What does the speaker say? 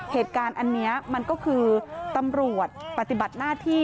เหตุการณ์อันนี้มันก็คือตำรวจปฏิบัติหน้าที่